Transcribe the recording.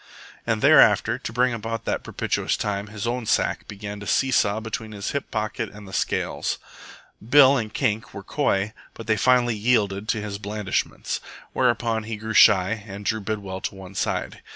And thereafter, to bring about that propitious time, his own sack began to see saw between his hip pocket and the scales. Bill and Kink were coy, but they finally yielded to his blandishments. Whereupon he grew shy and drew Bidwell to one side.